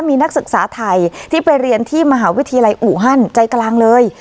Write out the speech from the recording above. มีนักศึกษาไทยที่ไปเรียนที่มหาวิทยาลัยอูฮันใจกลางเลย